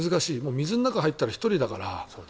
水の中に入ったら１人だから。